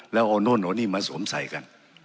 แล้วเอาโน่นเอานี่มาสวมใส่กัน